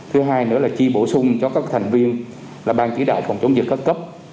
thứ hai nữa là chi bổ sung cho các thành viên là ban chỉ đạo phòng chống dịch các cấp